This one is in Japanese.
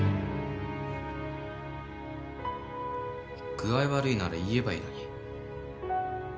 具合悪いなら言えばいいのに。